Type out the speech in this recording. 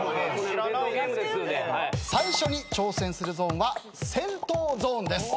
最初に挑戦するゾーンは銭湯ゾーンです。